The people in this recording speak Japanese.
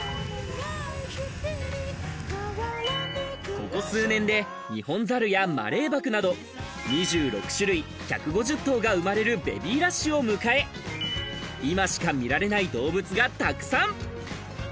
ここ数年で、ニホンザルやマレーバクなど２６種類、１５０頭が生まれるベビーラッシュを迎え、今しか見られない動物がたくさん。